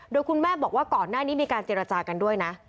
โดยคุณแม่บอกว่าก่อนหน้านี้มีการเจรจากันด้วยนะ